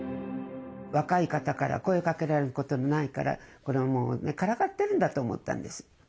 若い方から声かけられることないからからかってるんだと思ったんです。